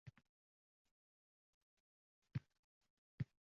lug‘at boyligini kengaytirishga ko‘maklashamiz